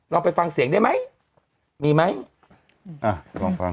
เราไปฟังเสียงได้ไหมมีไหมอ่ะลองฟัง